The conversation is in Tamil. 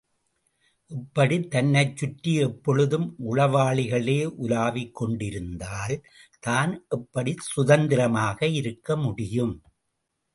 இப்படித் தன்னைச் சுற்றி எப்பொழுதும் உளவாளிகளே உலாவிக் கொண்டிருந்தால், தான் எப்படிச் சுதந்திரமாக இருக்க முடியும்?